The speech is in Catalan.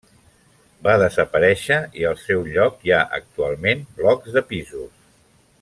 Va desaparèixer i al seu lloc hi ha actualment blocs de pisos.